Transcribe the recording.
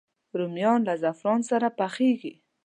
رومیان له زعفران سره پخېږي